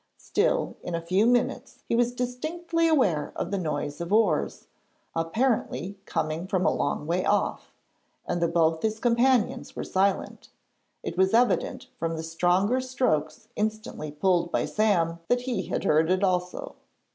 Still, in a few minutes he was distinctly aware of the noise of oars, apparently coming from a long way off, and though both his companions were silent, it was evident from the stronger strokes instantly pulled by Sam that he had heard it also.